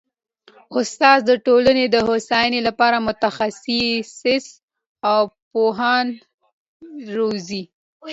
استاد د ټولني د هوسايني لپاره متخصصین او پوهان روزي.